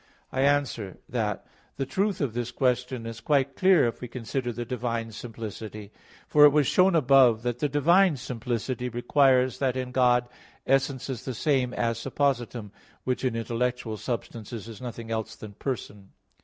I answer that, The truth of this question is quite clear if we consider the divine simplicity. For it was shown above (Q. 3, A. 3) that the divine simplicity requires that in God essence is the same as suppositum, which in intellectual substances is nothing else than person.